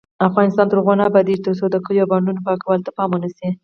افغانستان تر هغو نه ابادیږي، ترڅو د کلیو او بانډو پاکوالي ته پام ونشي.